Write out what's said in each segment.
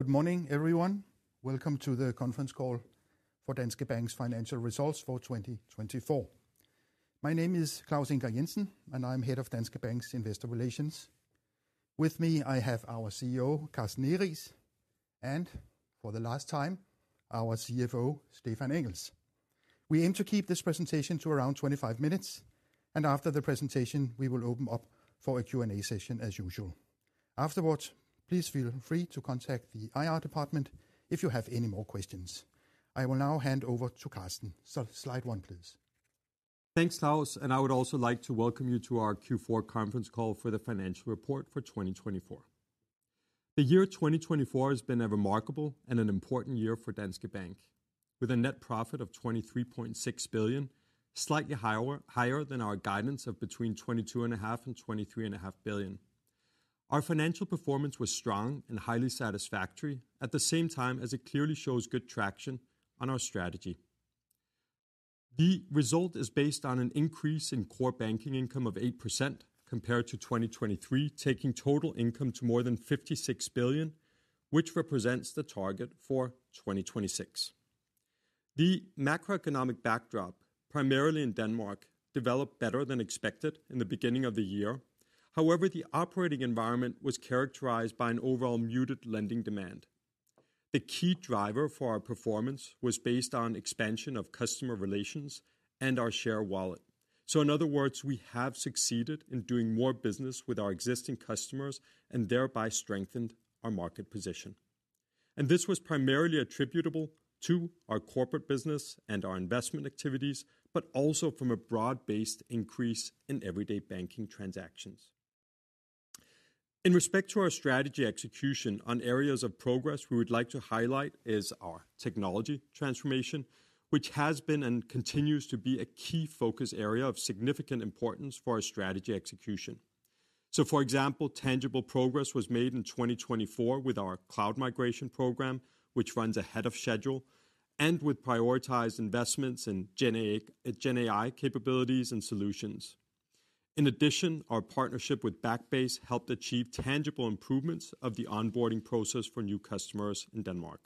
Good morning, everyone. Welcome to the conference call for Danske Bank's financial results for 2024. My name is Claus Ingar Jensen, and I'm head of Danske Bank's investor relations. With me, I have our CEO, Carsten Egeriis, and for the last time, our CFO, Stephan Engels. We aim to keep this presentation to around 25 minutes, and after the presentation, we will open up for a Q&A session as usual. Afterwards, please feel free to contact the IR department if you have any more questions. I will now hand over to Carsten. Slide one, please. Thanks, Claus, and I would also like to welcome you to our Q4 conference call for the financial report for 2024. The year 2024 has been a remarkable and an important year for Danske Bank, with a net profit of 23.6 billion, slightly higher than our guidance of between 22.5 billion and 23.5 billion. Our financial performance was strong and highly satisfactory at the same time as it clearly shows good traction on our strategy. The result is based on an increase in core banking income of 8% compared to 2023, taking total income to more than 56 billion, which represents the target for 2026. The macroeconomic backdrop, primarily in Denmark, developed better than expected in the beginning of the year. However, the operating environment was characterized by an overall muted lending demand. The key driver for our performance was based on expansion of customer relations and our share wallet. So, in other words, we have succeeded in doing more business with our existing customers and thereby strengthened our market position. And this was primarily attributable to our corporate business and our investment activities, but also from a broad-based increase in everyday banking transactions. In respect to our strategy execution, on areas of progress we would like to highlight is our technology transformation, which has been and continues to be a key focus area of significant importance for our strategy execution. So, for example, tangible progress was made in 2024 with our cloud migration program, which runs ahead of schedule, and with prioritized investments in GenAI capabilities and solutions. In addition, our partnership with Backbase helped achieve tangible improvements of the onboarding process for new customers in Denmark.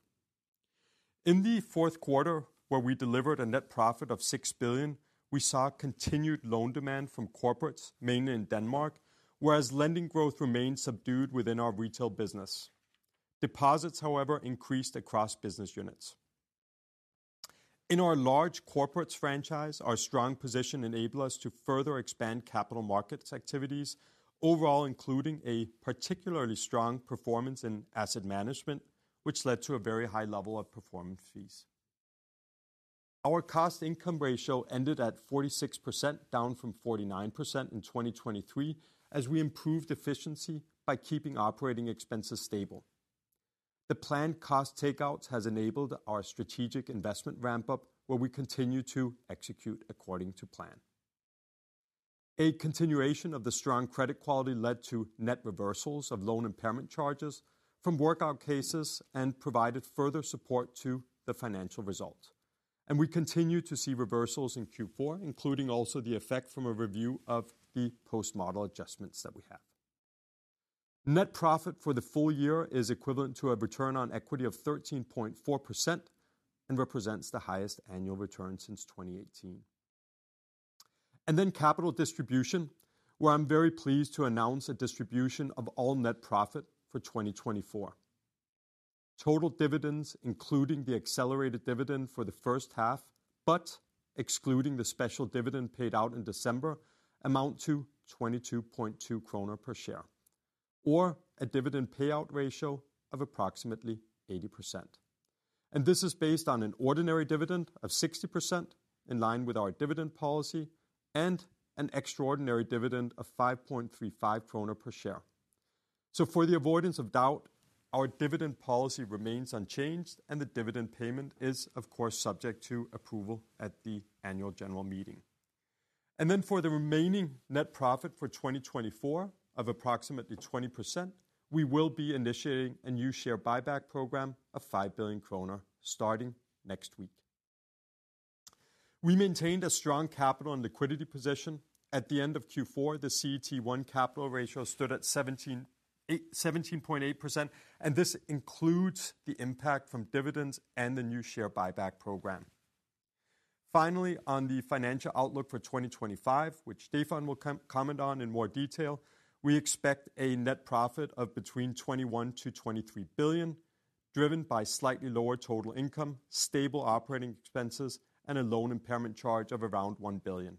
In the fourth quarter, where we delivered a net profit of 6 billion, we saw continued loan demand from corporates mainly in Denmark, whereas lending growth remained subdued within our retail business. Deposits, however, increased across business units. In our large corporates franchise, our strong position enabled us to further expand capital markets activities, overall including a particularly strong performance in asset management, which led to a very high level of performance fees. Our cost-to-income ratio ended at 46%, down from 49% in 2023, as we improved efficiency by keeping operating expenses stable. The planned cost takeouts have enabled our strategic investment ramp-up, where we continue to execute according to plan. A continuation of the strong credit quality led to net reversals of loan impairment charges from workout cases and provided further support to the financial result. We continue to see reversals in Q4, including also the effect from a review of the post-model adjustments that we have. Net profit for the full year is equivalent to a return on equity of 13.4% and represents the highest annual return since 2018. Capital distribution, where I'm very pleased to announce a distribution of all net profit for 2024. Total dividends, including the accelerated dividend for the first half, but excluding the special dividend paid out in December, amount to 22.2 kroner per share, or a dividend payout ratio of approximately 80%. This is based on an ordinary dividend of 60%, in line with our dividend policy, and an extraordinary dividend of 5.35 krone per share. For the avoidance of doubt, our dividend policy remains unchanged, and the dividend payment is, of course, subject to approval at the annual general meeting. Then for the remaining net profit for 2024 of approximately 20%, we will be initiating a new share buyback program of 5 billion kroner starting next week. We maintained a strong capital and liquidity position. At the end of Q4, the CET1 capital ratio stood at 17.8%, and this includes the impact from dividends and the new share buyback program. Finally, on the financial outlook for 2025, which Stephan will comment on in more detail, we expect a net profit of between 21 billion to 23 billion, driven by slightly lower total income, stable operating expenses, and a loan impairment charge of around 1 billion.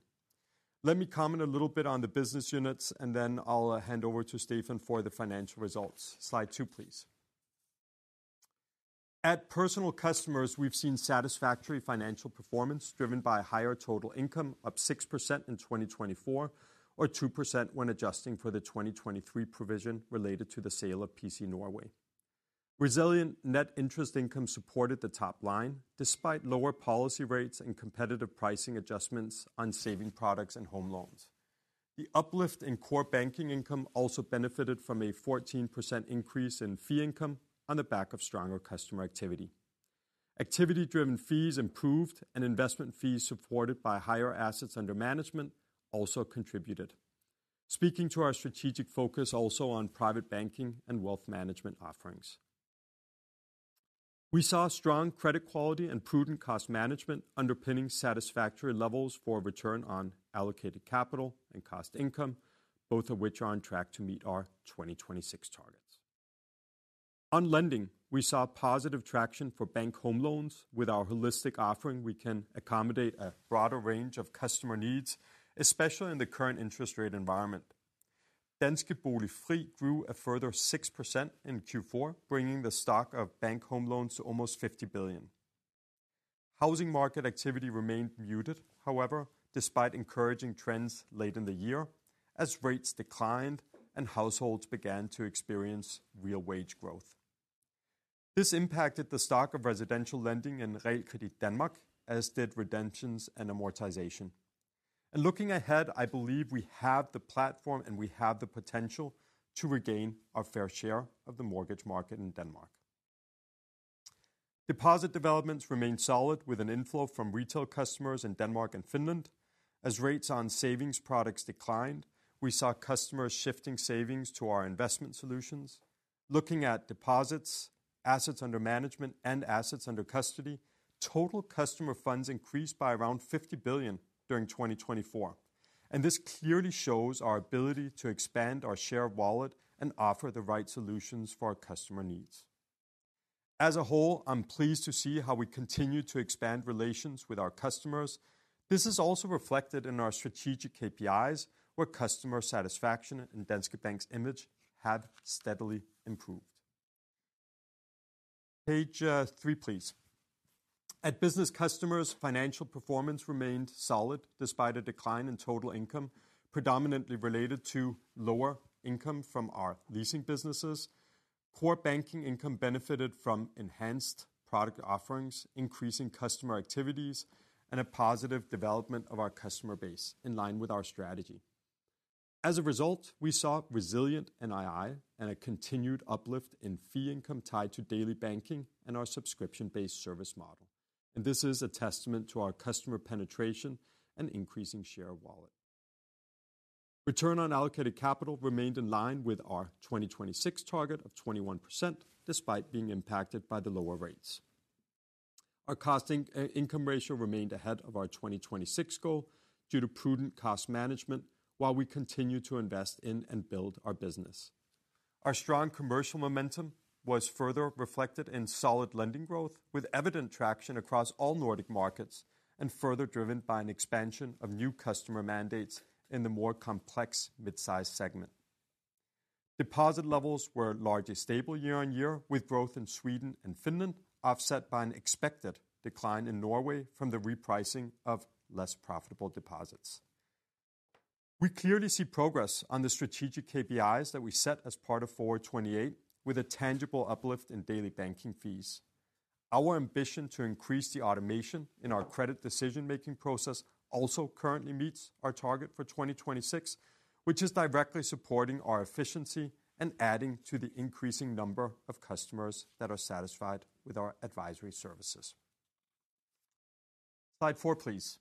Let me comment a little bit on the business units, and then I'll hand over to Stephan for the financial results. Slide two, please. At Personal Customers, we've seen satisfactory financial performance driven by a higher total income of 6% in 2024, or 2% when adjusting for the 2023 provision related to the sale of PC Norway. Resilient net interest income supported the top line, despite lower policy rates and competitive pricing adjustments on saving products and home loans. The uplift in core banking income also benefited from a 14% increase in fee income on the back of stronger customer activity. Activity-driven fees improved, and investment fees supported by higher assets under management also contributed, speaking to our strategic focus also on private banking and wealth management offerings. We saw strong credit quality and prudent cost management underpinning satisfactory levels for return on allocated capital and cost-to-income, both of which are on track to meet our 2026 targets. On lending, we saw positive traction for bank home loans. With our holistic offering, we can accommodate a broader range of customer needs, especially in the current interest rate environment. Danske Bolig Fri grew a further 6% in Q4, bringing the stock of bank home loans to almost 50 billion. Housing market activity remained muted, however, despite encouraging trends late in the year, as rates declined and households began to experience real wage growth. This impacted the stock of residential lending in Realkredit Danmark, as did redemptions and amortization. And looking ahead, I believe we have the platform and we have the potential to regain our fair share of the mortgage market in Denmark. Deposit developments remained solid with an inflow from retail customers in Denmark and Finland. As rates on savings products declined, we saw customers shifting savings to our investment solutions. Looking at deposits, assets under management, and assets under custody, total customer funds increased by around 50 billion during 2024. And this clearly shows our ability to expand our share wallet and offer the right solutions for our customer needs. As a whole, I'm pleased to see how we continue to expand relations with our customers. This is also reflected in our strategic KPIs, where customer satisfaction and Danske Bank's image have steadily improved. Page three, please. At Business Customers, financial performance remained solid despite a decline in total income, predominantly related to lower income from our leasing businesses. Core banking income benefited from enhanced product offerings, increasing customer activities, and a positive development of our customer base in line with our strategy. As a result, we saw resilient NII and a continued uplift in fee income tied to daily banking and our subscription-based service model. This is a testament to our customer penetration and increasing share wallet. Return on allocated capital remained in line with our 2026 target of 21%, despite being impacted by the lower rates. Our cost income ratio remained ahead of our 2026 goal due to prudent cost management, while we continue to invest in and build our business. Our strong commercial momentum was further reflected in solid lending growth, with evident traction across all Nordic markets and further driven by an expansion of new customer mandates in the more complex mid-size segment. Deposit levels were largely stable year on year, with growth in Sweden and Finland offset by an expected decline in Norway from the repricing of less profitable deposits. We clearly see progress on the strategic KPIs that we set as part of Forward '28, with a tangible uplift in daily banking fees. Our ambition to increase the automation in our credit decision-making process also currently meets our target for 2026, which is directly supporting our efficiency and adding to the increasing number of customers that are satisfied with our advisory services. Slide 4, please.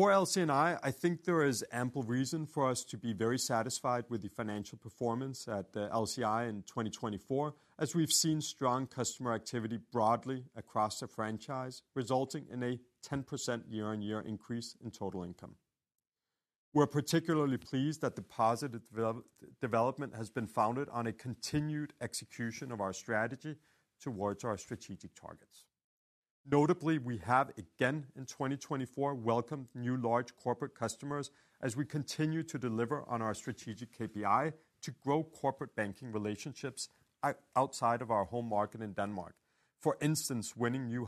For LC&I, I think there is ample reason for us to be very satisfied with the financial performance at the LCI in 2024, as we've seen strong customer activity broadly across the franchise, resulting in a 10% year-on-year increase in total income. We're particularly pleased that the positive development has been founded on a continued execution of our strategy towards our strategic targets. Notably, we have again in 2024 welcomed new large corporate customers as we continue to deliver on our strategic KPI to grow corporate banking relationships outside of our home market in Denmark, for instance, winning new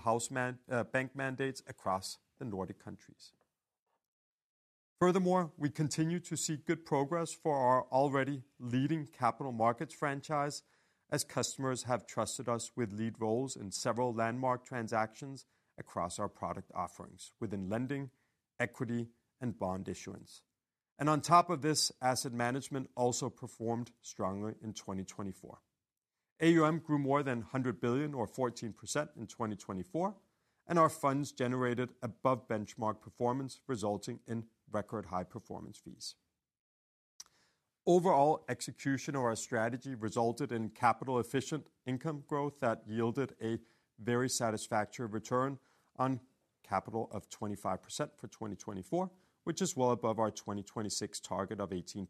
bank mandates across the Nordic countries. Furthermore, we continue to see good progress for our already leading capital markets franchise as customers have trusted us with lead roles in several landmark transactions across our product offerings within lending, equity, and bond issuance. And on top of this, asset management also performed strongly in 2024. AUM grew more than 100 billion, or 14%, in 2024, and our funds generated above benchmark performance, resulting in record high performance fees. Overall execution of our strategy resulted in capital-efficient income growth that yielded a very satisfactory return on capital of 25% for 2024, which is well above our 2026 target of 18%.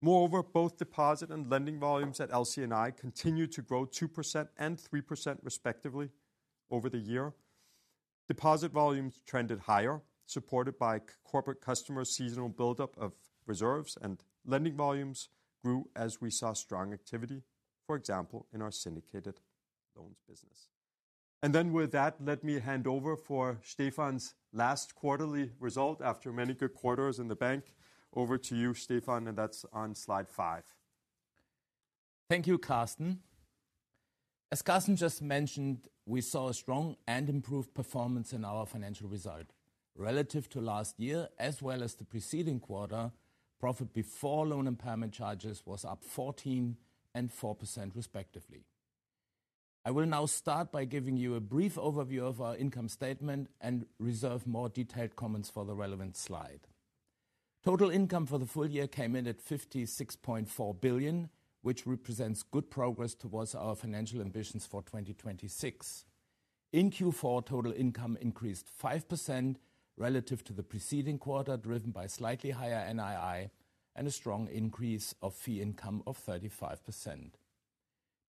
Moreover, both deposit and lending volumes at LCNI continued to grow 2% and 3% respectively over the year. Deposit volumes trended higher, supported by corporate customers' seasonal buildup of reserves, and lending volumes grew as we saw strong activity, for example, in our syndicated loans business. Then with that, let me hand over for Stephan's last quarterly result after many good quarters in the bank. Over to you, Stephan, and that's on Slide 5. Thank you, Carsten. As Carsten just mentioned, we saw a strong and improved performance in our financial result. Relative to last year, as well as the preceding quarter, profit before loan impairment charges was up 14% and 4%, respectively. I will now start by giving you a brief overview of our income statement and reserve more detailed comments for the relevant slide. Total income for the full year came in at 56.4 billion, which represents good progress towards our financial ambitions for 2026. In Q4, total income increased 5% relative to the preceding quarter, driven by slightly higher NII and a strong increase of fee income of 35%.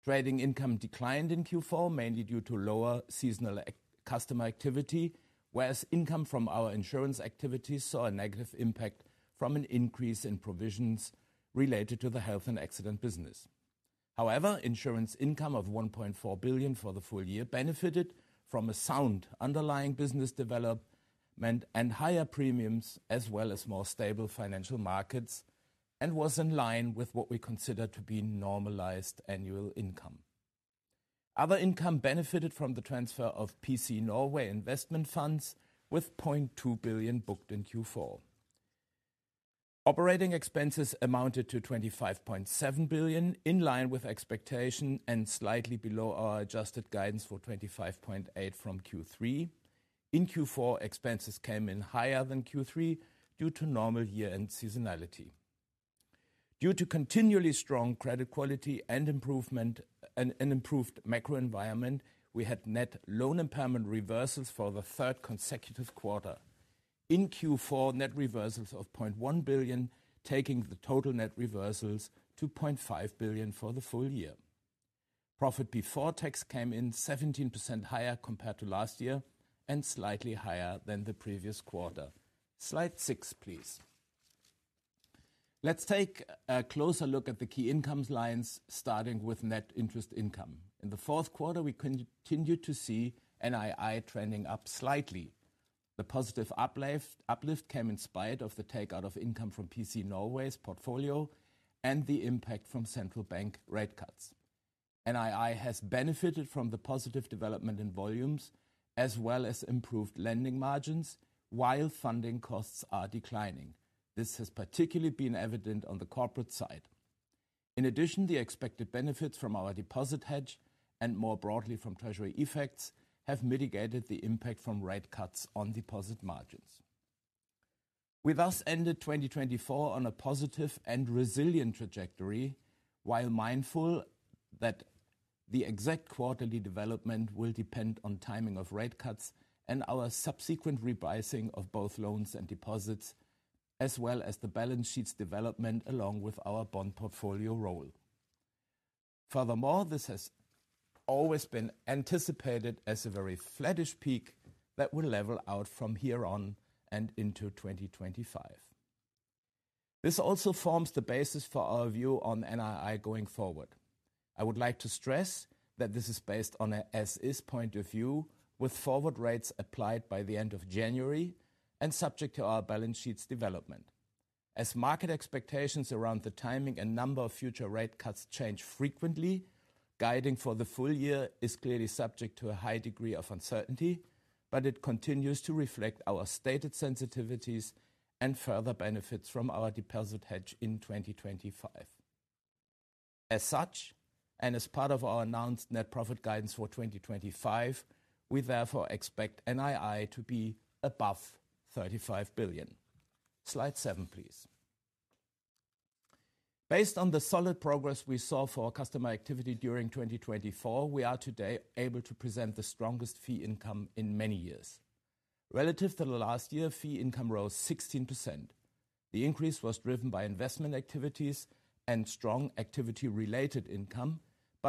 Trading income declined in Q4, mainly due to lower seasonal customer activity, whereas income from our insurance activities saw a negative impact from an increase in provisions related to the health and accident business. However, insurance income of 1.4 billion for the full year benefited from a sound underlying business development and higher premiums, as well as more stable financial markets, and was in line with what we consider to be normalized annual income. Other income benefited from the transfer of PC Norway investment funds, with 0.2 billion booked in Q4. Operating expenses amounted to 25.7 billion, in line with expectation and slightly below our adjusted guidance for 25.8 billion from Q3. In Q4, expenses came in higher than Q3 due to normal year-end seasonality. Due to continually strong credit quality and improved macro environment, we had net loan impairment reversals for the third consecutive quarter. In Q4, net reversals of 0.1 billion, taking the total net reversals to 0.5 billion for the full year. Profit before tax came in 17% higher compared to last year and slightly higher than the previous quarter. Slide 6, please. Let's take a closer look at the key income lines, starting with net interest income. In the fourth quarter, we continued to see NII trending up slightly. The positive uplift came in spite of the takeout of income from PC Norway's portfolio and the impact from central bank rate cuts. NII has benefited from the positive development in volumes, as well as improved lending margins, while funding costs are declining. This has particularly been evident on the corporate side. In addition, the expected benefits from our deposit hedge and more broadly from Treasury effects have mitigated the impact from rate cuts on deposit margins. We thus ended 2024 on a positive and resilient trajectory, while mindful that the exact quarterly development will depend on timing of rate cuts and our subsequent repricing of both loans and deposits, as well as the balance sheets development along with our bond portfolio role. Furthermore, this has always been anticipated as a very flattish peak that will level out from here on and into 2025. This also forms the basis for our view on NII going forward. I would like to stress that this is based on an as-is point of view, with forward rates applied by the end of January and subject to our balance sheets development. As market expectations around the timing and number of future rate cuts change frequently, guiding for the full year is clearly subject to a high degree of uncertainty, but it continues to reflect our stated sensitivities and further benefits from our deposit hedge in 2025. As such, and as part of our announced net profit guidance for 2025, we therefore expect NII to be above 35 billion. Slide 7, please. Based on the solid progress we saw for customer activity during 2024, we are today able to present the strongest fee income in many years. Relative to the last year, fee income rose 16%. The increase was driven by investment activities and strong activity-related income,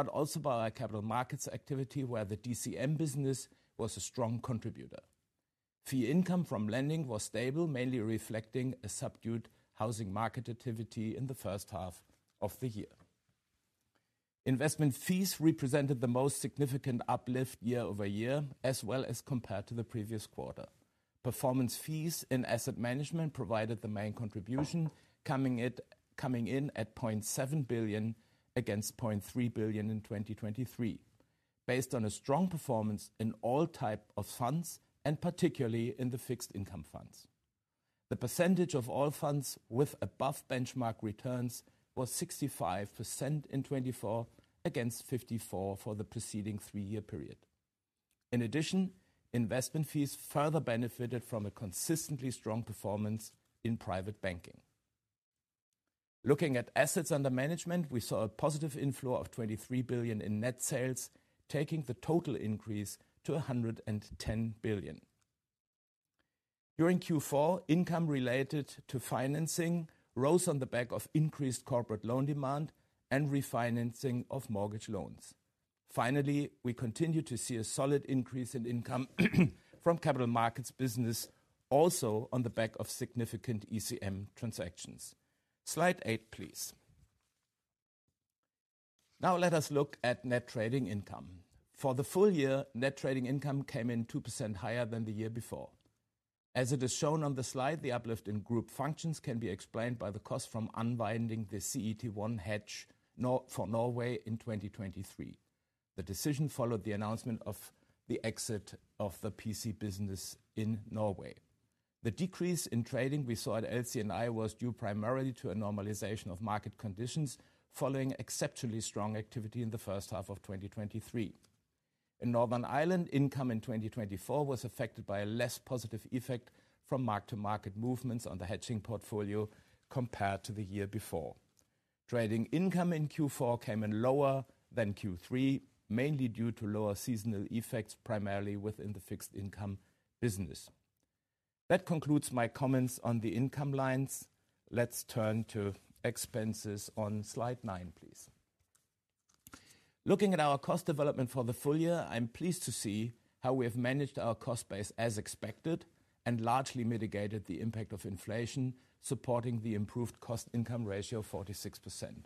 but also by our capital markets activity, where the DCM business was a strong contributor. Fee income from lending was stable, mainly reflecting a subdued housing market activity in the first half of the year. Investment fees represented the most significant uplift year over year, as well as compared to the previous quarter. Performance fees in asset management provided the main contribution, coming in at 0.7 billion against 0.3 billion in 2023, based on a strong performance in all types of funds, and particularly in the fixed income funds. The percentage of all funds with above benchmark returns was 65% in 2024 against 54% for the preceding three-year period. In addition, investment fees further benefited from a consistently strong performance in private banking. Looking at assets under management, we saw a positive inflow of 23 billion in net sales, taking the total increase to 110 billion. During Q4, income related to financing rose on the back of increased corporate loan demand and refinancing of mortgage loans. Finally, we continue to see a solid increase in income from capital markets business, also on the back of significant ECM transactions. Slide 8, please. Now let us look at net trading income. For the full year, net trading income came in 2% higher than the year before. As it is shown on the slide, the uplift in group functions can be explained by the cost from unbinding the CET1 hedge for Norway in 2023. The decision followed the announcement of the exit of the PC business in Norway. The decrease in trading we saw at LC&I was due primarily to a normalization of market conditions following exceptionally strong activity in the first half of 2023. In Northern Ireland, income in 2024 was affected by a less positive effect from mark-to-market movements on the hedging portfolio compared to the year before. Trading income in Q4 came in lower than Q3, mainly due to lower seasonal effects, primarily within the fixed income business. That concludes my comments on the income lines. Let's turn to expenses on Slide 9, please. Looking at our cost development for the full year, I'm pleased to see how we have managed our cost base as expected and largely mitigated the impact of inflation, supporting the improved cost-to-income ratio of 46%.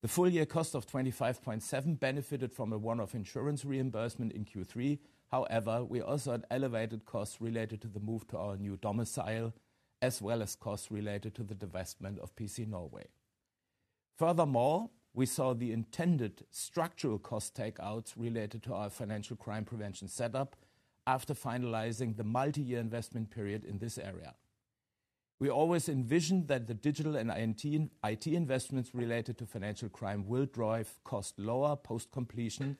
The full-year cost of 25.7 benefited from a one-off insurance reimbursement in Q3. However, we also had elevated costs related to the move to our new domicile, as well as costs related to the divestment of PC Norway. Furthermore, we saw the intended structural cost takeouts related to our financial crime prevention setup after finalizing the multi-year investment period in this area. We always envisioned that the digital and IT investments related to financial crime will drive costs lower post-completion,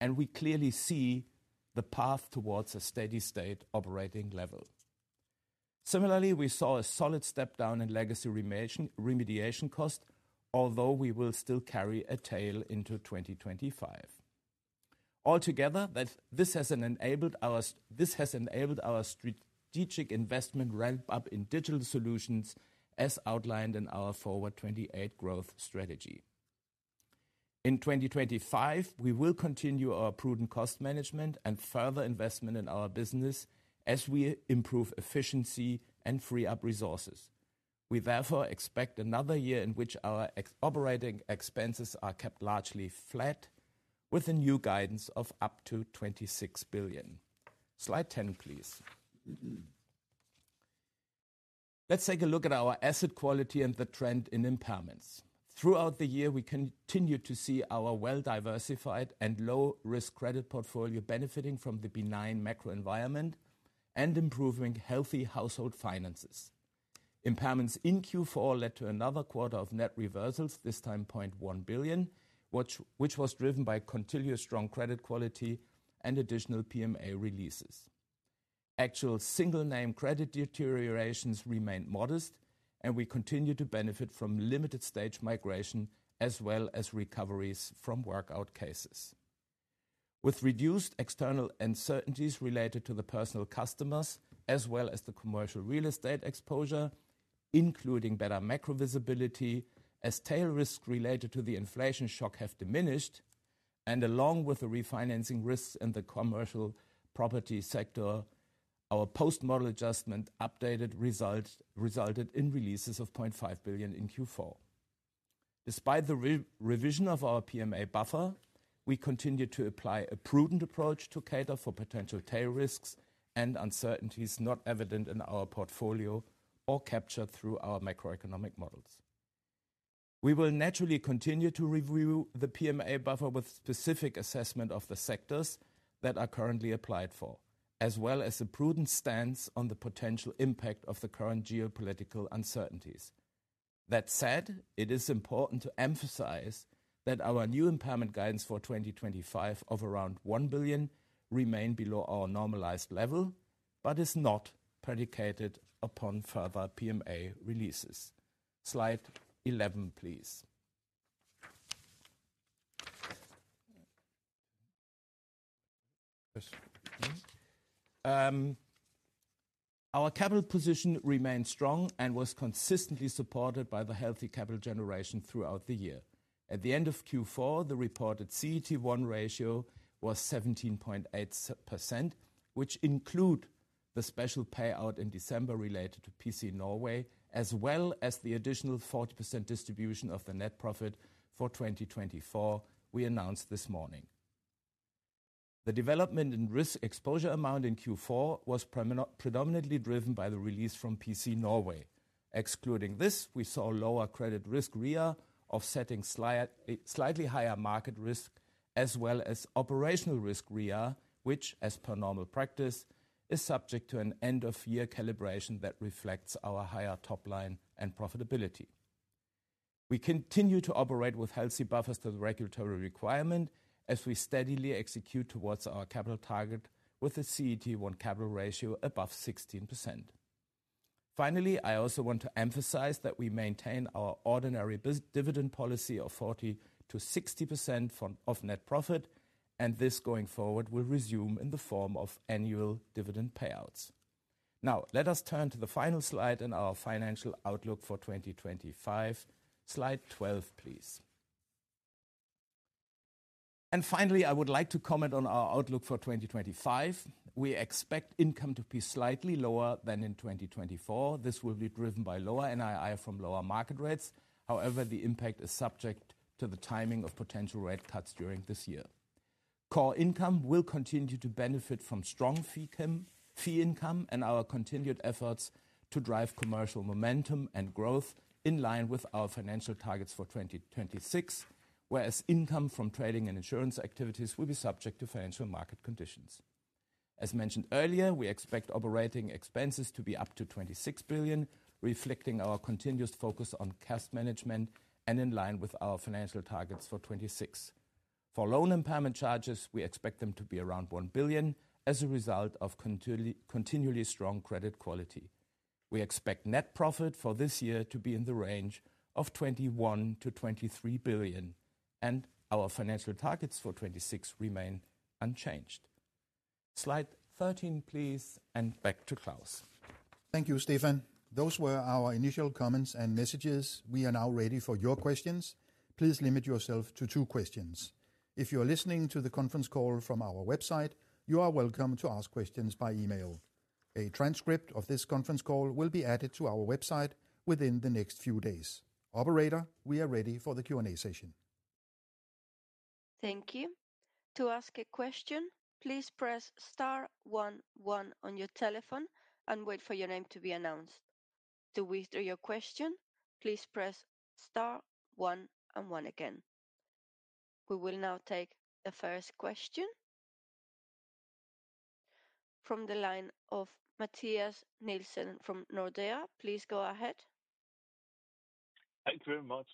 and we clearly see the path towards a steady-state operating level. Similarly, we saw a solid step down in legacy remediation costs, although we will still carry a tail into 2025. Altogether, this has enabled our strategic investment ramp-up in digital solutions, as outlined in our Forward 2028 growth strategy. In 2025, we will continue our prudent cost management and further investment in our business as we improve efficiency and free up resources. We therefore expect another year in which our operating expenses are kept largely flat, with a new guidance of up to 26 billion. Slide 10, please. Let's take a look at our asset quality and the trend in impairments. Throughout the year, we continue to see our well-diversified and low-risk credit portfolio benefiting from the benign macro environment and improving healthy household finances. Impairments in Q4 led to another quarter of net reversals, this time 0.1 billion, which was driven by continuous strong credit quality and additional PMA releases. Actual single-name credit deteriorations remained modest, and we continue to benefit from limited-stage migration as well as recoveries from workout cases. With reduced external uncertainties related to the personal customers as well as the commercial real estate exposure, including better macro visibility, as tail risks related to the inflation shock have diminished, and along with the refinancing risks in the commercial property sector, our post-model adjustments update resulted in releases of 0.5 billion in Q4. Despite the revision of our PMA buffer, we continue to apply a prudent approach to cater for potential tail risks and uncertainties not evident in our portfolio or captured through our macroeconomic models. We will naturally continue to review the PMA buffer with specific assessment of the sectors that are currently applied for, as well as a prudent stance on the potential impact of the current geopolitical uncertainties. That said, it is important to emphasize that our new impairment guidance for 2025 of around 1 billion remains below our normalized level, but is not predicated upon further PMA releases. Slide 11, please. Our capital position remained strong and was consistently supported by the healthy capital generation throughout the year. At the end of Q4, the reported CET1 ratio was 17.8%, which includes the special payout in December related to PC Norway, as well as the additional 40% distribution of the net profit for 2024 we announced this morning. The development and risk exposure amount in Q4 was predominantly driven by the release from PC Norway. Excluding this, we saw lower credit risk REA offsetting slightly higher market risk, as well as operational risk REA, which, as per normal practice, is subject to an end-of-year calibration that reflects our higher top line and profitability. We continue to operate with healthy buffers to the regulatory requirement as we steadily execute towards our capital target with a CET1 capital ratio above 16%. Finally, I also want to emphasize that we maintain our ordinary dividend policy of 40%-60% of net profit, and this going forward will resume in the form of annual dividend payouts. Now, let us turn to the final slide in our financial outlook for 2025. Slide 12, please, and finally, I would like to comment on our outlook for 2025. We expect income to be slightly lower than in 2024. This will be driven by lower NII from lower market rates. However, the impact is subject to the timing of potential rate cuts during this year. Core income will continue to benefit from strong fee income and our continued efforts to drive commercial momentum and growth in line with our financial targets for 2026, whereas income from trading and insurance activities will be subject to financial market conditions. As mentioned earlier, we expect operating expenses to be up to 26 billion, reflecting our continuous focus on cash management and in line with our financial targets for 2026. For loan impairment charges, we expect them to be around 1 billion as a result of continually strong credit quality. We expect net profit for this year to be in the range of 21 billion-23 billion, and our financial targets for 2026 remain unchanged. Slide 13, please, and back to Claus. Thank you, Stephan. Those were our initial comments and messages. We are now ready for your questions. Please limit yourself to two questions. If you are listening to the conference call from our website, you are welcome to ask questions by email. A transcript of this conference call will be added to our website within the next few days. Operator, we are ready for the Q&A session. Thank you. To ask a question, please press star one one on your telephone and wait for your name to be announced. To withdraw your question, please press star one and one again. We will now take the first question from the line of Mathias Nielsen from Nordea. Please go ahead. Thank you very much.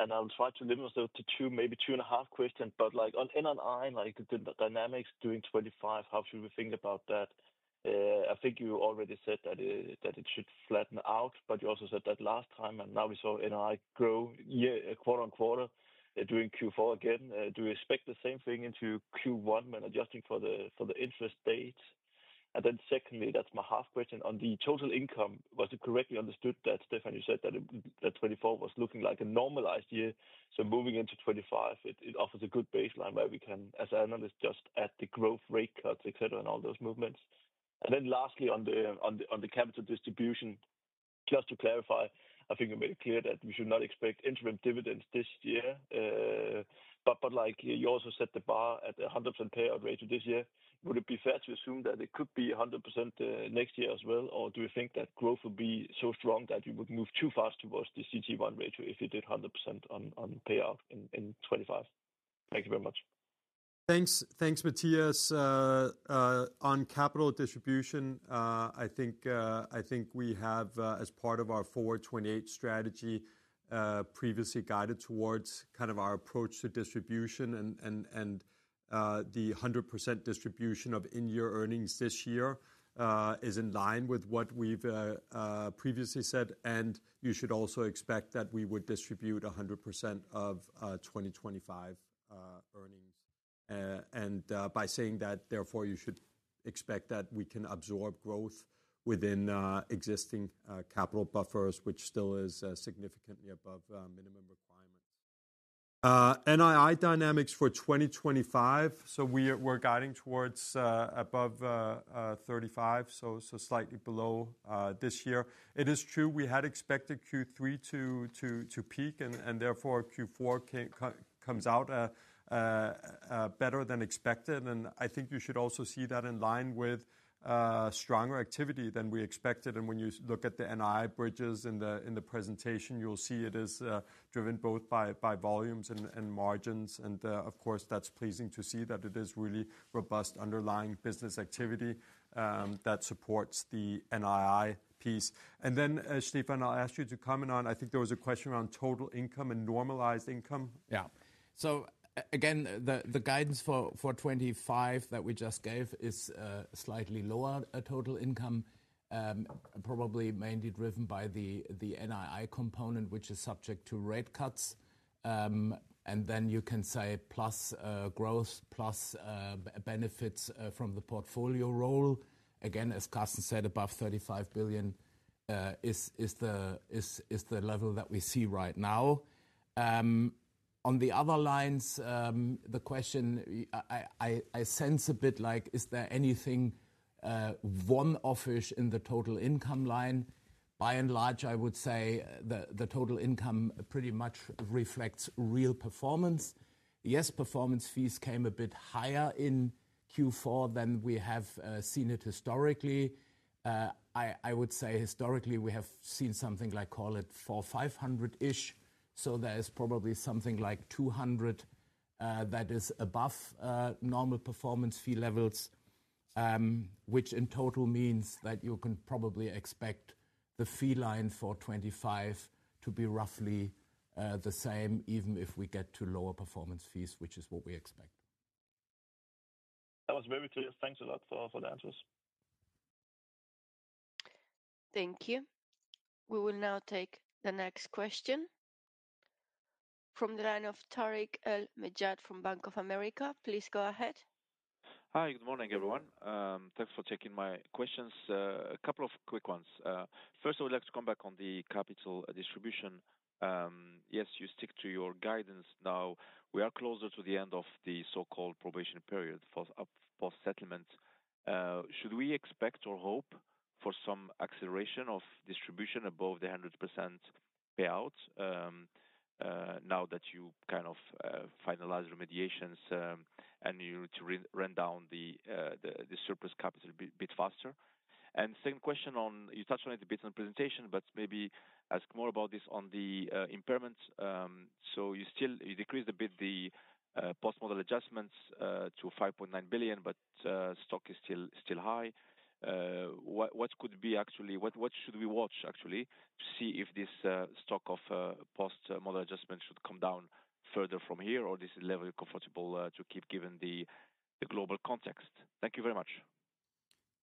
And I'll try to limit myself to two, maybe two and a half questions, but like NII, like the dynamics during 2025, how should we think about that? I think you already said that it should flatten out, but you also said that last time, and now we saw NII grow year-over-year quarter-on-quarter during Q4 again. Do you expect the same thing into Q1 when adjusting for the interest rate? And then secondly, that's my half question on the total income. Was it correctly understood that, Stephan, you said that 2024 was looking like a normalized year? Moving into 2025, it offers a good baseline where we can, as I understand, just add the growth rate cuts, etc., and all those movements. Lastly, on the capital distribution, just to clarify, I think it made it clear that we should not expect interim dividends this year, but you also set the bar at a 100% payout ratio this year. Would it be fair to assume that it could be 100% next year as well, or do you think that growth will be so strong that you would move too fast towards the CET1 ratio if you did 100% on payout in 2025? Thank you very much. Thanks, Mathias. On capital distribution, I think we have, as part of our Forward 2028 strategy, previously guided towards kind of our approach to distribution, and the 100% distribution of in-year earnings this year is in line with what we've previously said, and you should also expect that we would distribute 100% of 2025 earnings, and by saying that, therefore, you should expect that we can absorb growth within existing capital buffers, which still is significantly above minimum requirements. NII dynamics for 2025, so we're guiding towards above 35, so slightly below this year. It is true we had expected Q3 to peak, and therefore Q4 comes out better than expected, and I think you should also see that in line with stronger activity than we expected. When you look at the NII bridges in the presentation, you'll see it is driven both by volumes and margins, and of course, that's pleasing to see that it is really robust underlying business activity that supports the NII piece. Then, Stephan, I'll ask you to comment on, I think there was a question around total income and normalized income. Yeah. So again, the guidance for 2025 that we just gave is slightly lower total income, probably mainly driven by the NII component, which is subject to rate cuts. Then you can say plus growth, plus benefits from the portfolio role. Again, as Carsten said, above 35 billion is the level that we see right now. On the other lines, the question I sense a bit like, is there anything one-off-ish in the total income line? By and large, I would say the total income pretty much reflects real performance. Yes, performance fees came a bit higher in Q4 than we have seen it historically. I would say historically we have seen something like call it 4,500-ish, so there is probably something like 200 that is above normal performance fee levels, which in total means that you can probably expect the fee line for 25 to be roughly the same, even if we get to lower performance fees, which is what we expect. That was very clear. Thanks a lot for the answers. Thank you. We will now take the next question from the line of Tarik El Mejjad from Bank of America. Please go ahead. Hi, good morning, everyone. Thanks for taking my questions. A couple of quick ones. First, I would like to come back on the capital distribution. Yes, you stick to your guidance. Now, we are closer to the end of the so-called probation period for settlement. Should we expect or hope for some acceleration of distribution above the 100% payout now that you kind of finalize remediations and you need to run down the surplus capital a bit faster? And second question on, you touched on it a bit in the presentation, but maybe ask more about this on the impairments. So you decreased a bit the post-model adjustments to 5.9 billion, but stock is still high. What could be actually, what should we watch actually to see if this stock of post-model adjustment should come down further from here, or this is level comfortable to keep given the global context? Thank you very much.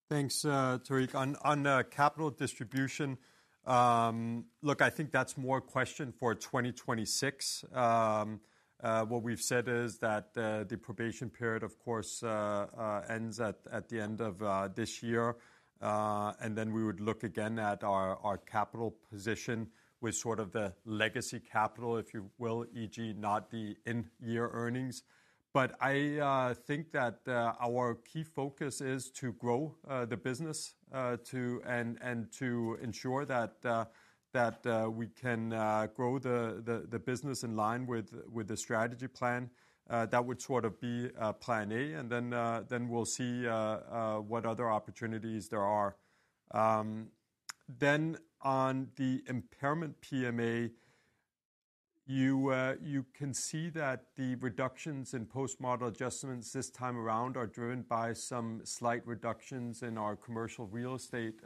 Thanks, Tarik. On capital distribution, look, I think that's more a question for 2026.What we've said is that the probation period, of course, ends at the end of this year, and then we would look again at our capital position with sort of the legacy capital, if you will, e.g., not the end-year earnings. But I think that our key focus is to grow the business and to ensure that we can grow the business in line with the strategy plan. That would sort of be plan A, and then we'll see what other opportunities there are. Then on the impairment PMA, you can see that the reductions in post-model adjustments this time around are driven by some slight reductions in our commercial real estate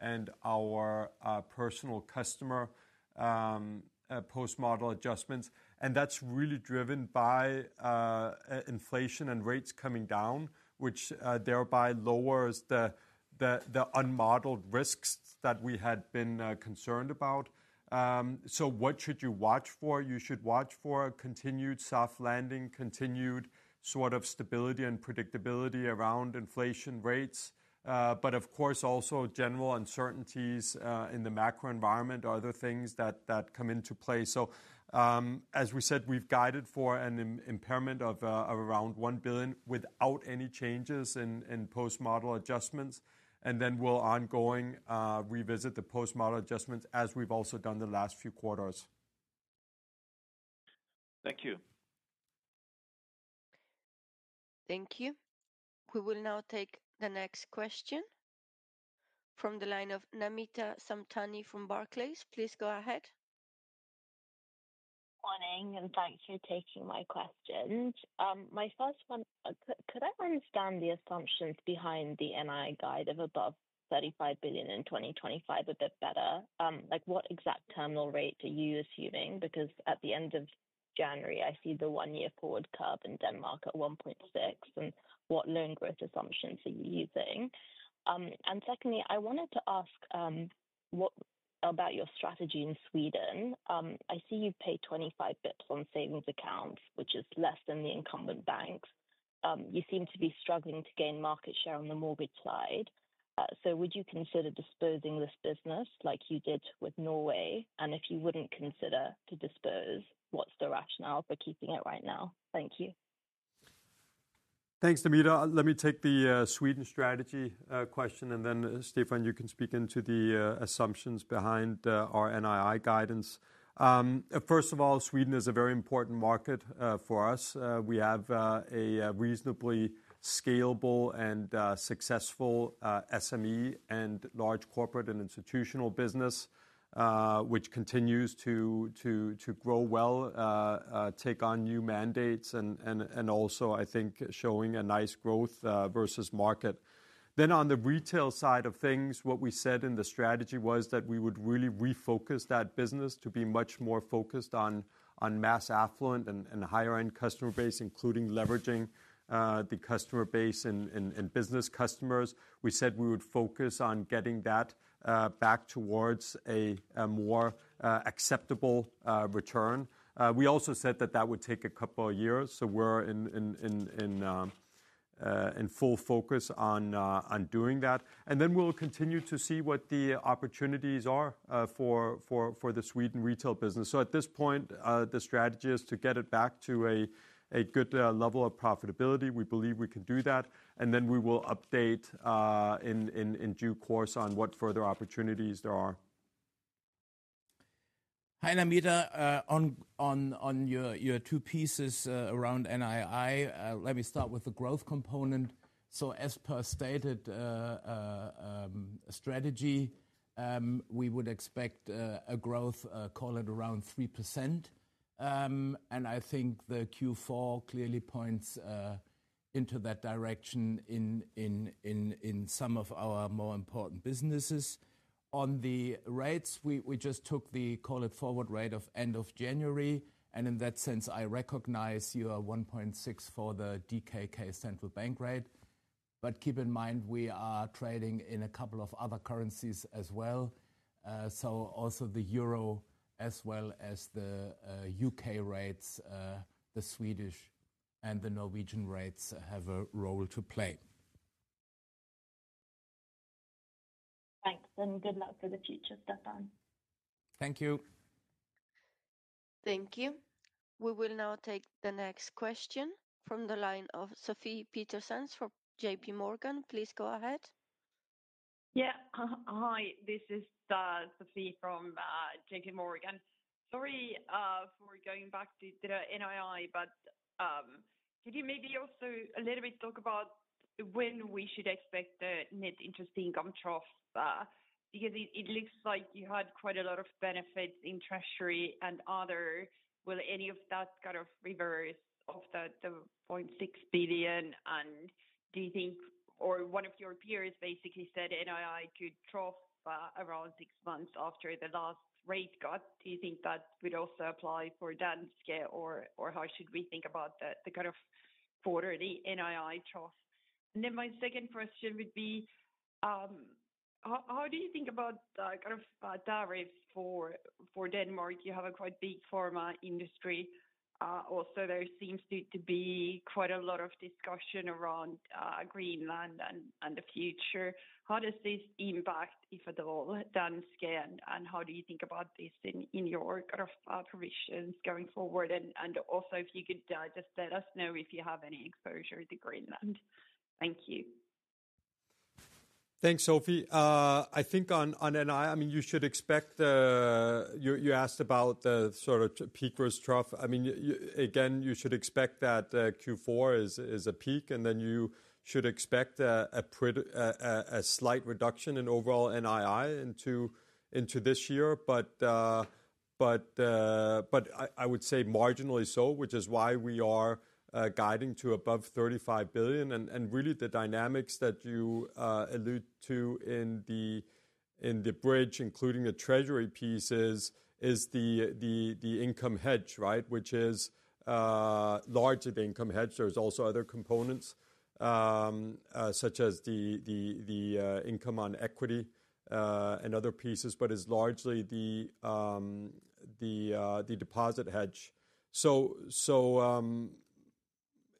and our personal customer post-model adjustments. And that's really driven by inflation and rates coming down, which thereby lowers the unmodeled risks that we had been concerned about. So what should you watch for? You should watch for continued soft landing, continued sort of stability and predictability around inflation rates, but of course, also general uncertainties in the macro environment are the things that come into play. So as we said, we've guided for an impairment of around 1 billion without any changes in post-model adjustments, and then we'll ongoing revisit the post-model adjustments as we've also done the last few quarters. Thank you. Thank you. We will now take the next question from the line of Namita Samtani from Barclays. Please go ahead. Good morning, and thanks for taking my questions. My first one, could I understand the assumptions behind the NII guide of above 35 billion in 2025 a bit better? What exact terminal rate are you assuming? Because at the end of January, I see the one-year forward curve in Denmark at 1.6%, and what loan growth assumptions are you using? And secondly, I wanted to ask about your strategy in Sweden. I see you pay 25 basis points on savings accounts, which is less than the incumbent banks. You seem to be struggling to gain market share on the mortgage side. So would you consider disposing of this business like you did with Norway? And if you wouldn't consider to dispose, what's the rationale for keeping it right now? Thank you. Thanks, Namita. Let me take the Sweden strategy question, and then Stephan, you can speak into the assumptions behind our NII guidance. First of all, Sweden is a very important market for us. We have a reasonably scalable and successful SME and large corporate and institutional business, which continues to grow well, take on new mandates, and also, I think, showing a nice growth versus market. Then, on the retail side of things, what we said in the strategy was that we would really refocus that business to be much more focused on mass affluent and higher-end customer base, including leveraging the customer base and business customers. We said we would focus on getting that back towards a more acceptable return. We also said that that would take a couple of years, so we're in full focus on doing that. And then we'll continue to see what the opportunities are for the Sweden retail business. So at this point, the strategy is to get it back to a good level of profitability. We believe we can do that, and then we will update in due course on what further opportunities there are. Hi Namita, on your two pieces around NII, let me start with the growth component. So as per stated strategy, we would expect a growth call at around 3%. And I think the Q4 clearly points into that direction in some of our more important businesses. On the rates, we just took the forward rate of end of January, and in that sense, I recognize your 1.6 for the DKK central bank rate. But keep in mind, we are trading in a couple of other currencies as well. So also the euro, as well as the U.K. rates, the Swedish, and the Norwegian rates have a role to play. Thanks, and good luck for the future, Stephan. Thank you. Thank you. We will now take the next question from the line of Sofie Peterzens from JPMorgan. Please go ahead. Yeah, hi, this is Sofie from JPMorgan. Sorry for going back to NII, but could you maybe also a little bit talk about when we should expect the net interest income trough? Because it looks like you had quite a lot of benefits in Treasury and other. Will any of that kind of reverse of the 0.6 billion? And do you think, or one of your peers basically said NII could trough around six months after the last rate cut. Do you think that would also apply for Danske Bank, or how should we think about the kind of quarterly NII trough? And then my second question would be, how do you think about kind of tariffs for Denmark? You have a quite big pharma industry. Also, there seems to be quite a lot of discussion around Greenland and the future. How does this impact, if at all, Danske Bank, and how do you think about this in your kind of provisions going forward? And also, if you could just let us know if you have any exposure to Greenland. Thank you. Thanks, Sophie. I think on NII, I mean, you should expect, you asked about the sort of peak versus trough. I mean, again, you should expect that Q4 is a peak, and then you should expect a slight reduction in overall NII into this year, but I would say marginally so, which is why we are guiding to above 35 billion. And really, the dynamics that you allude to in the bridge, including the Treasury pieces, is the income hedge, right, which is largely the income hedge. There's also other components such as the income on equity and other pieces, but it's largely the deposit hedge. So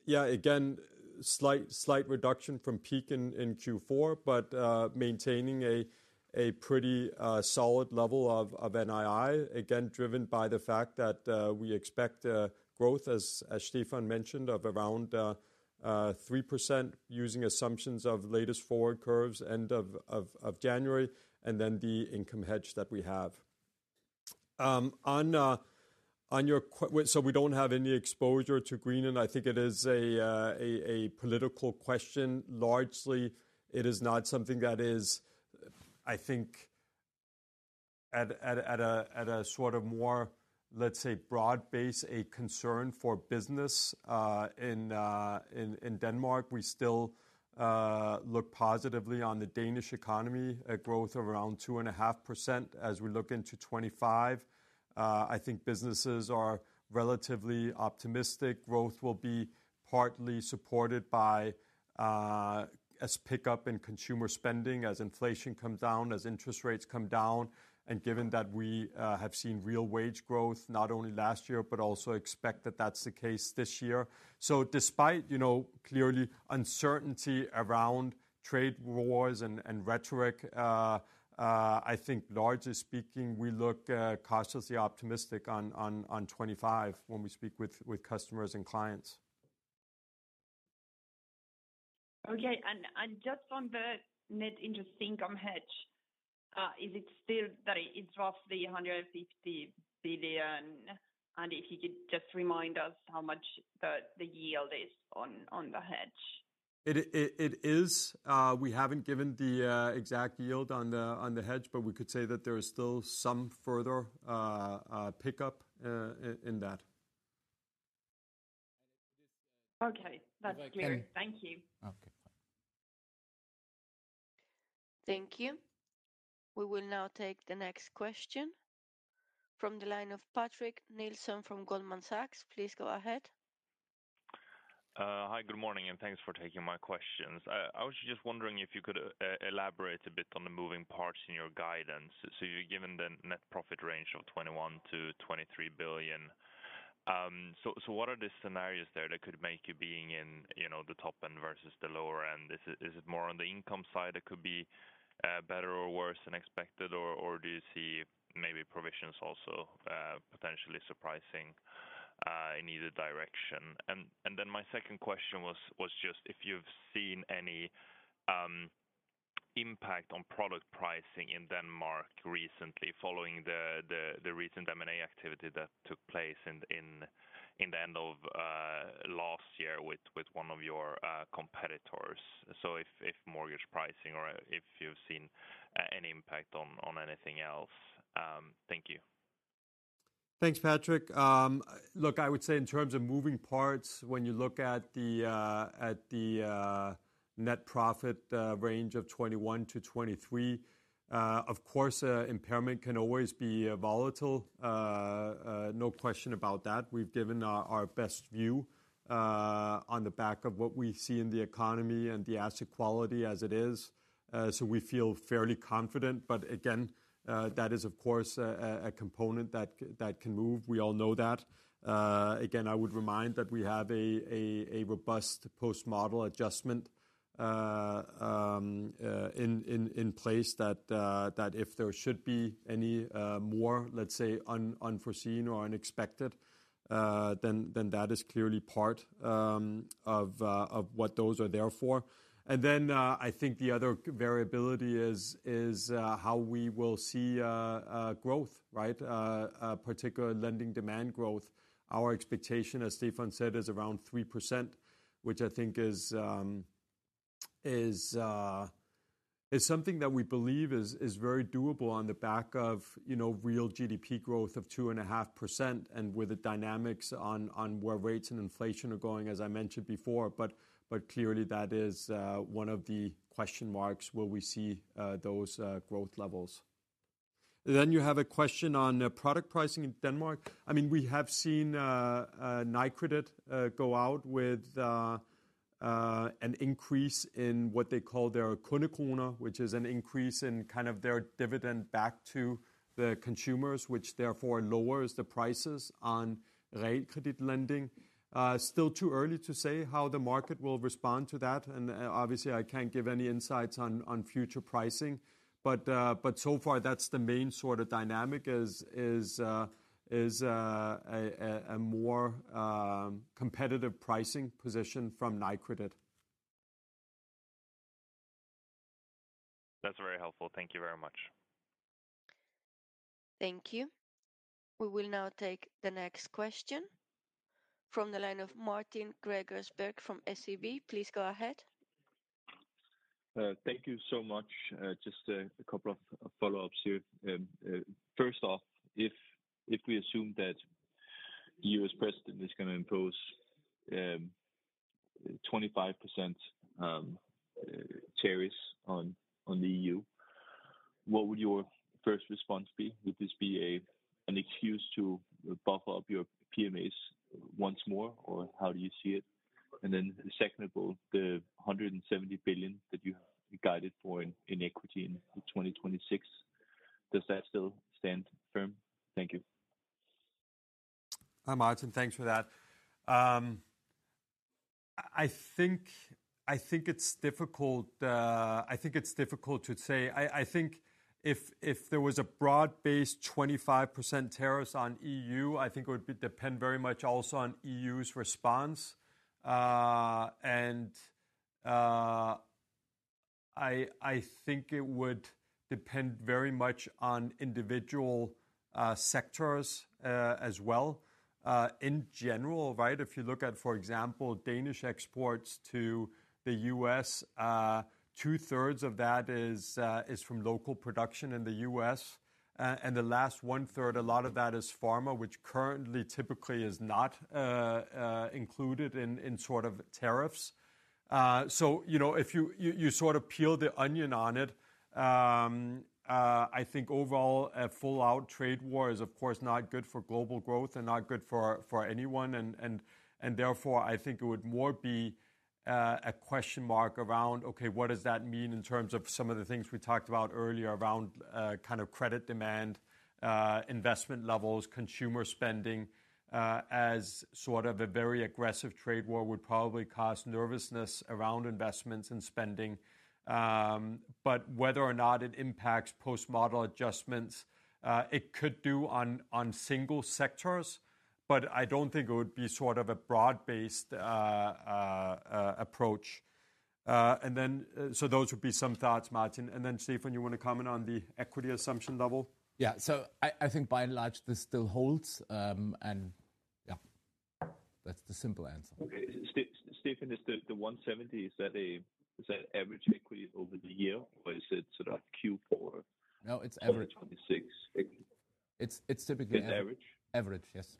yeah, again, slight reduction from peak in Q4, but maintaining a pretty solid level of NII, again, driven by the fact that we expect growth, as Stephan mentioned, of around 3% using assumptions of latest forward curves end of January, and then the income hedge that we have. So we don't have any exposure to Greenland. I think it is a political question. Largely, it is not something that is, I think, at a sort of more, let's say, broad base, a concern for business in Denmark. We still look positively on the Danish economy, a growth of around 2.5% as we look into 2025. I think businesses are relatively optimistic. Growth will be partly supported by pickup in consumer spending as inflation comes down, as interest rates come down, and given that we have seen real wage growth not only last year, but also expect that that's the case this year. So despite clearly uncertainty around trade wars and rhetoric, I think largely speaking, we look cautiously optimistic on 2025 when we speak with customers and clients. Okay, and just on the net interest income hedge, is it still that it drops the 150 billion? And if you could just remind us how much the yield is on the hedge. It is. We haven't given the exact yield on the hedge, but we could say that there is still some further pickup in that. Okay, that's clear. Thank you. Okay, fine. Thank you. We will now take the next question from the line of Patrik Nilsson from Goldman Sachs. Please go ahead. Hi, good morning, and thanks for taking my questions. I was just wondering if you could elaborate a bit on the moving parts in your guidance. So you're given the net profit range of 21 billion-23 billion. So what are the scenarios there that could make you being in the top end versus the lower end? Is it more on the income side that could be better or worse than expected, or do you see maybe provisions also potentially surprising in either direction? And then my second question was just if you've seen any impact on product pricing in Denmark recently following the recent M&A activity that took place in the end of last year with one of your competitors. So if mortgage pricing or if you've seen any impact on anything else. Thank you. Thanks, Patrik. Look, I would say in terms of moving parts, when you look at the net profit range of 21%-23%, of course, impairment can always be volatile. No question about that. We've given our best view on the back of what we see in the economy and the asset quality as it is. So we feel fairly confident, but again, that is, of course, a component that can move. We all know that. Again, I would remind that we have a robust post-model adjustment in place that if there should be any more, let's say, unforeseen or unexpected, then that is clearly part of what those are there for. Then I think the other variability is how we will see growth, right, particular lending demand growth. Our expectation, as Stephan said, is around 3%, which I think is something that we believe is very doable on the back of real GDP growth of 2.5% and with the dynamics on where rates and inflation are going, as I mentioned before. But clearly, that is one of the question marks: will we see those growth levels? Then you have a question on product pricing in Denmark. I mean, we have seen Nykredit go out with an increase in what they call their KundeKroner, which is an increase in kind of their dividend back to the consumers, which therefore lowers the prices on Realkredit lending. Still too early to say how the market will respond to that, and obviously, I can't give any insights on future pricing, but so far, that's the main sort of dynamic is a more competitive pricing position from Nykredit. That's very helpful. Thank you very much. Thank you. We will now take the next question from the line of Martin Gregersberg from SEB. Please go ahead. Thank you so much. Just a couple of follow-ups here. First off, if we assume that the U.S. president is going to impose 25% tariffs on the EU, what would your first response be? Would this be an excuse to buffer up your PMAs once more, or how do you see it? And then the second of all, the 170 billion that you guided for in equity in 2026, does that still stand firm? Thank you. Hi, Martin. Thanks for that. I think it's difficult to say. I think if there was a broad-based 25% tariffs on EU, I think it would depend very much also on EU's response. And I think it would depend very much on individual sectors as well. In general, right, if you look at, for example, Danish exports to the U.S. 2/3 of that is from local production in the U.S. And the last 1/3, a lot of that is pharma, which currently typically is not included in sort of tariffs. So if you sort of peel the onion on it, I think overall, a full-out trade war is, of course, not good for global growth and not good for anyone. And therefore, I think it would more be a question mark around, okay, what does that mean in terms of some of the things we talked about earlier around kind of credit demand, investment levels, consumer spending, as sort of a very aggressive trade war would probably cause nervousness around investments and spending. But whether or not it impacts post-model adjustments, it could do on single sectors, but I don't think it would be sort of a broad-based approach. And then so those would be some thoughts, Martin. And then Stephan, you want to comment on the equity assumption level? Yeah, so I think by and large this still holds. And yeah, that's the simple answer. Okay, Stephan, is the 170, is that average equity over the year, or is it sort of Q4? No, it's average. It's typically average. Average? Average, yes.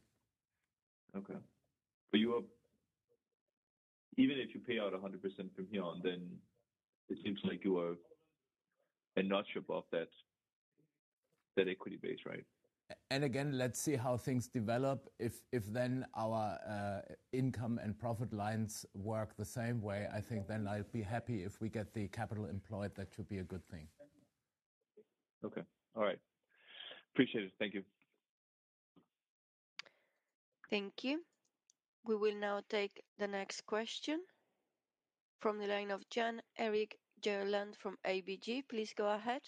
Okay. But even if you pay out 100% from here, then it seems like you are a notch above that equity base, right? And again, let's see how things develop. If then our income and profit lines work the same way, I think then I'd be happy if we get the capital employed, that should be a good thing. Okay, all right. Appreciate it. Thank you. Thank you. We will now take the next question from the line of Jan Erik Gjerland from ABG. Please go ahead.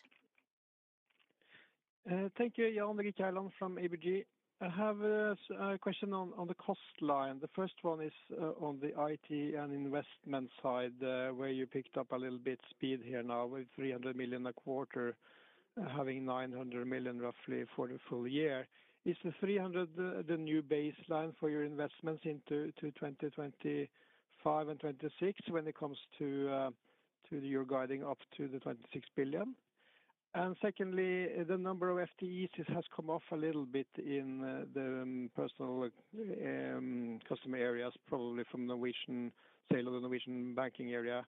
Thank you. Jan Erik Gjerland from ABG. I have a question on the cost line. The first one is on the IT and investment side where you picked up a little bit speed here now with 300 million a quarter, having 900 million roughly for the full year. Is the 300 million the new baseline for your investments into 2025 and 2026 when it comes to your guiding up to the 26 billion? And secondly, the number of FTEs has come off a little bit in the personal customer areas, probably from the Norwegian banking area.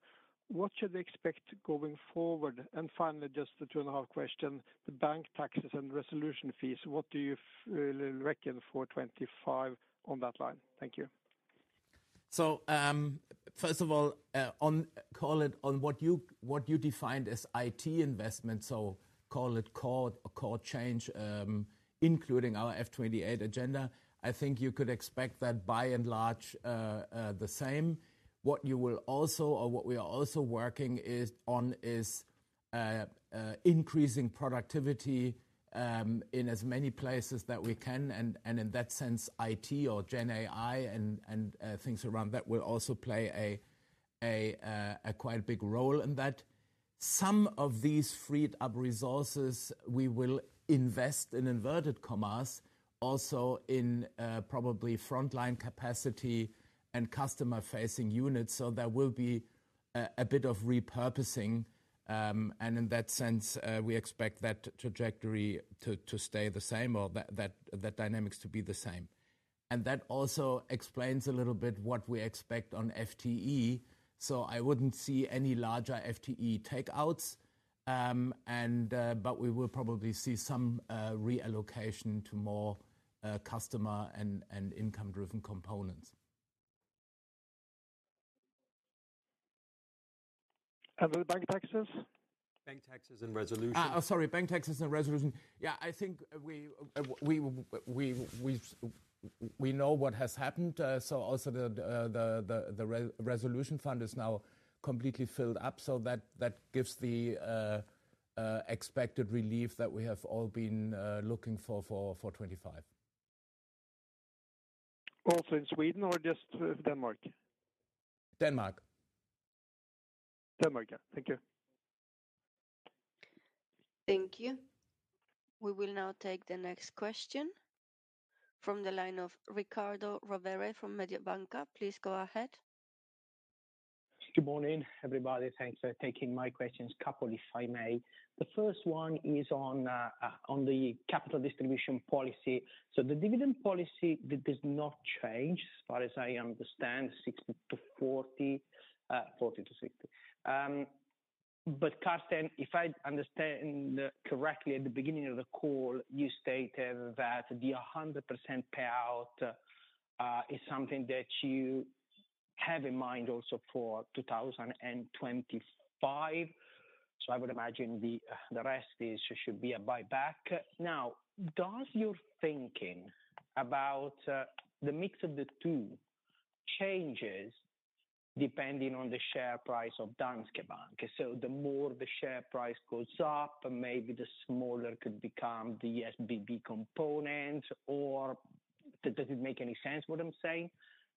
What should they expect going forward? And finally, just the 2.5 question, the bank taxes and resolution fees, what do you reckon for 2025 on that line? Thank you. So first of all, comment on what you defined as IT investment, so call it core change, including our F 2028 agenda. I think you could expect that by and large the same. What you will also, or what we are also working on is increasing productivity in as many places that we can. And in that sense, IT or GenAI and things around that will also play a quite big role in that. Some of these freed-up resources, we will invest in inverted commas, also in probably frontline capacity and customer-facing units. So there will be a bit of repurposing. And in that sense, we expect that trajectory to stay the same or that dynamics to be the same. And that also explains a little bit what we expect on FTE. So I wouldn't see any larger FTE takeouts, but we will probably see some reallocation to more customer and income-driven components. And the bank taxes? Bank taxes and resolution. Oh, sorry, bank taxes and resolution. Yeah, I think we know what has happened. So also the resolution fund is now completely filled up. So that gives the expected relief that we have all been looking for for 2025. Also in Sweden or just Denmark? Denmark. Denmark, yeah. Thank you. Thank you. We will now take the next question from the line of Riccardo Rovere from Mediobanca. Please go ahead. Good morning, everybody. Thanks for taking my questions, a couple if I may. The first one is on the capital distribution policy. So the dividend policy does not change, as far as I understand, 60%:40%, 40%:60%. But Carsten, if I understand correctly at the beginning of the call, you stated that the 100% payout is something that you have in mind also for 2025. So I would imagine the rest should be a buyback. Now, does your thinking about the mix of the two changes depending on the share price of Danske Bank? So the more the share price goes up, maybe the smaller could become the SBB component, or does it make any sense what I'm saying?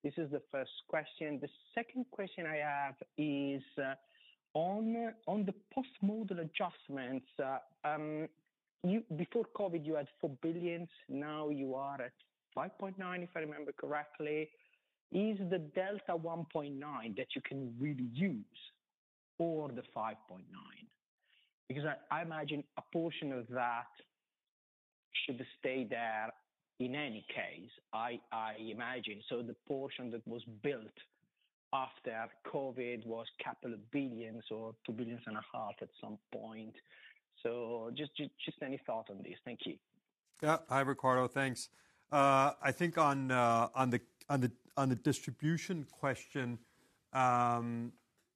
This is the first question. The second question I have is on the Post-Model Adjustments. Before COVID, you had 4 billion. Now you are at 5.9 billion, if I remember correctly. Is the delta 1.9 billion that you can really use or the 5.9 billion? Because I imagine a portion of that should stay there in any case, I imagine. So the portion that was built after COVID was couple billions or 2.5 billion at some point. So just any thoughts on this? Thank you. Yeah, hi, Riccardo. Thanks. I think on the distribution question,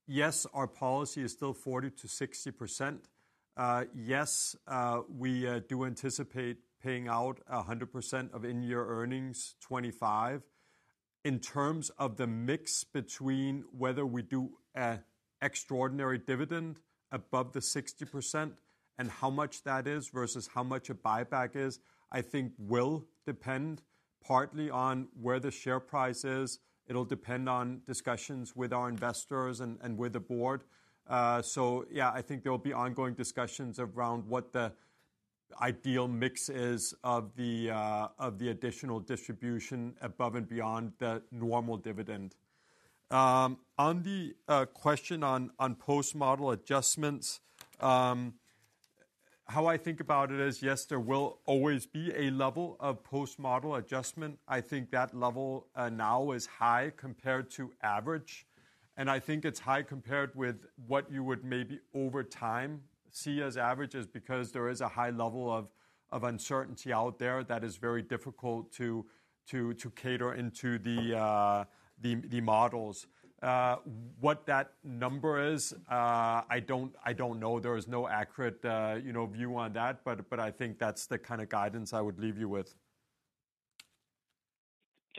yes, our policy is still 40%-60%. Yes, we do anticipate paying out 100% of in-year earnings 2025. In terms of the mix between whether we do an extraordinary dividend above the 60% and how much that is versus how much a buyback is, I think will depend partly on where the share price is. It will depend on discussions with our investors and with the board. So yeah, I think there will be ongoing discussions around what the ideal mix is of the additional distribution above and beyond the normal dividend. On the question on post-model adjustments, how I think about it is, yes, there will always be a level of post-model adjustment. I think that level now is high compared to average, and I think it's high compared with what you would maybe over time see as averages because there is a high level of uncertainty out there that is very difficult to cater into the models. What that number is, I don't know. There is no accurate view on that, but I think that's the kind of guidance I would leave you with.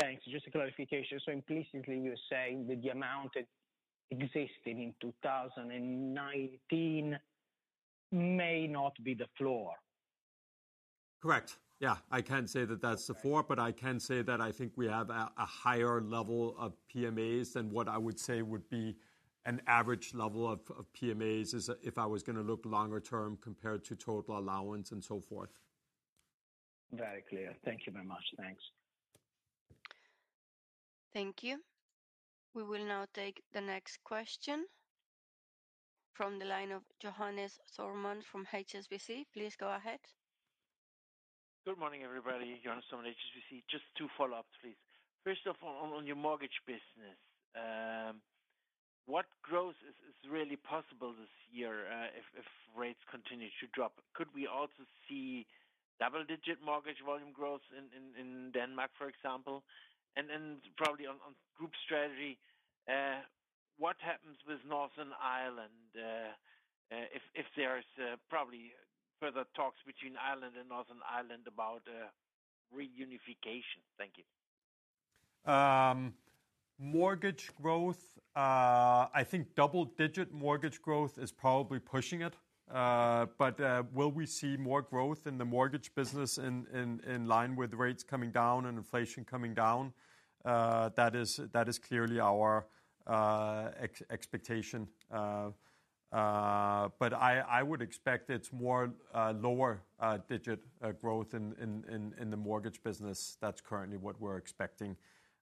Thanks. Just a clarification. So implicitly, you're saying that the amount that existed in 2019 may not be the floor? Correct. Yeah, I can't say that that's the floor, but I can say that I think we have a higher level of PMAs than what I would say would be an average level of PMAs if I was going to look longer term compared to total allowance and so forth. Very clear. Thank you very much. Thanks. Thank you. We will now take the next question from the line of Johannes Thormann from HSBC. Please go ahead. Good morning, everybody. Johannes Thormann, HSBC. Just two follow-ups, please. First of all, on your mortgage business, what growth is really possible this year if rates continue to drop? Could we also see double-digit mortgage volume growth in Denmark, for example? And probably on group strategy, what happens with Northern Ireland if there's probably further talks between Ireland and Northern Ireland about reunification? Thank you. Mortgage growth, I think double-digit mortgage growth is probably pushing it. But will we see more growth in the mortgage business in line with rates coming down and inflation coming down? That is clearly our expectation. But I would expect it's more lower-digit growth in the mortgage business. That's currently what we're expecting.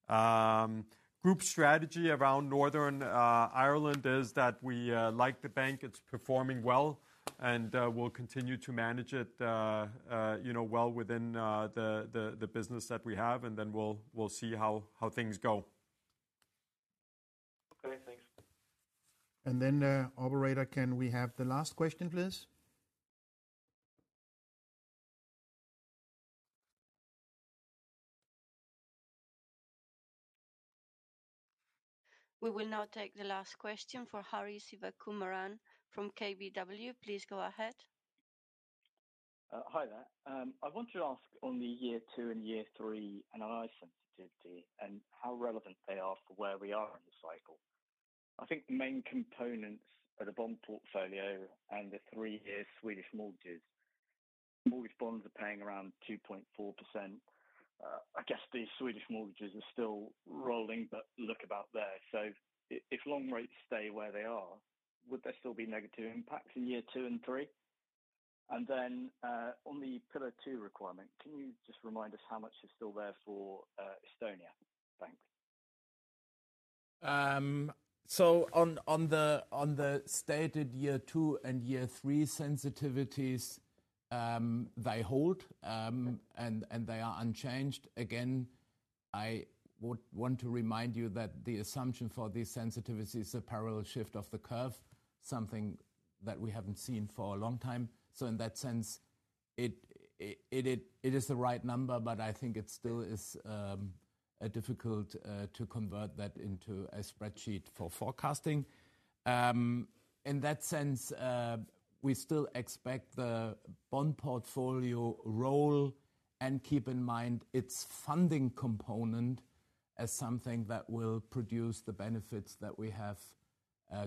Group strategy around Northern Ireland is that we like the bank. It's performing well and will continue to manage it well within the business that we have. And then we'll see how things go. Okay, thanks. And then, Operator, can we have the last question, please? We will now take the last question for Hari Sivakumaran from KBW. Please go ahead. Hi there. I want to ask on the year two and year three analysis sensitivity and how relevant they are for where we are in the cycle. I think the main components are the bond portfolio and the three-year Swedish mortgages. Mortgage bonds are paying around 2.4%. I guess the Swedish mortgages are still rolling, but look about there. So if long rates stay where they are, would there still be negative impacts in year two and three? And then on the Pillar 2 requirement, can you just remind us how much is still there for Estonian bank? So on the stated year two and year three sensitivities, they hold and they are unchanged. Again, I want to remind you that the assumption for these sensitivities is a parallel shift of the curve, something that we haven't seen for a long time. So in that sense, it is the right number, but I think it still is difficult to convert that into a spreadsheet for forecasting. In that sense, we still expect the bond portfolio roll and keep in mind its funding component as something that will produce the benefits that we have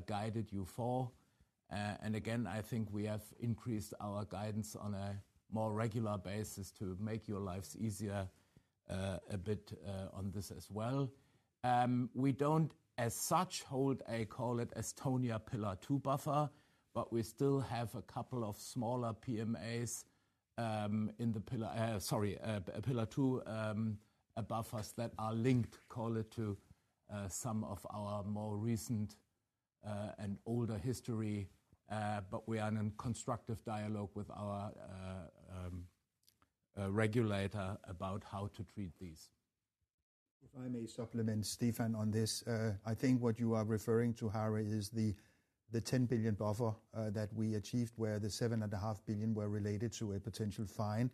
guided you for. And again, I think we have increased our guidance on a more regular basis to make your lives easier a bit on this as well. We don't as such hold a, call it Estonia Pillar 2 buffer, but we still have a couple of smaller PMAs in the Pillar, sorry, Pillar 2 above us that are linked, call it to some of our more recent and older history. But we are in a constructive dialogue with our regulator about how to treat these. If I may supplement Stephan on this, I think what you are referring to, Hari, is the 10 billion buffer that we achieved where the 7.5 billion were related to a potential fine.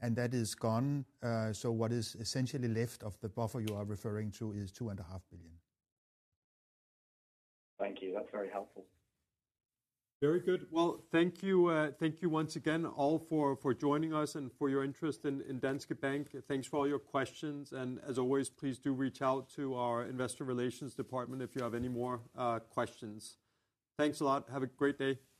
And that is gone. So what is essentially left of the buffer you are referring to is 2.5 billion. Thank you. That's very helpful. Very good. Well, thank you once again all for joining us and for your interest in Danske Bank. Thanks for all your questions. And as always, please do reach out to our investor relations department if you have any more questions. Thanks a lot. Have a great day.